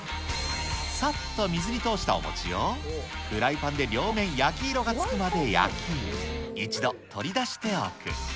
さっと水に通したお餅を、フライパンで両面焼き色がつくまで焼き、一度取り出しておく。